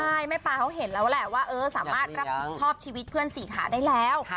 ใช่แม่ปลาเขาเห็นแล้วแหละว่าสามารถรับผิดชอบชีวิตเพื่อนสี่ขาได้แล้ว